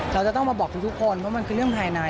เราจะต้องมาบอกทุกคนเพราะมันคือเรื่องภายใน